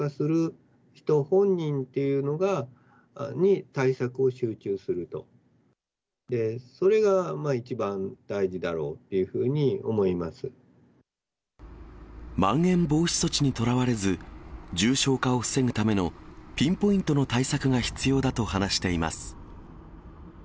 本人というに対策を集中すると、それが一番大事だろうというふうまん延防止措置にとらわれず、重症化を防ぐためのピンポイントの対策が必要だと話しています。